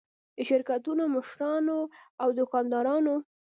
د شرکتونو مشرانو او دوکاندارانو.